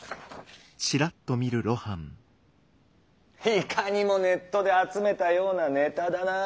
いかにもネットで集めたようなネタだなァー。